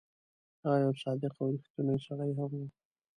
هغه یو صادق او ریښتونی سړی هم وو.